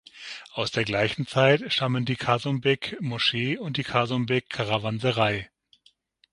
Aus der gleichen Zeit stammen die Kasumbek-Moschee und die Kasumbek-Karawanserei.